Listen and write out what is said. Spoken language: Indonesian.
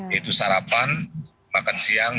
yaitu sarapan makan siang